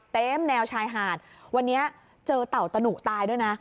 เต็มแนวชายหาดวันนี้เจอเต่าตะหนุตายด้วยนะ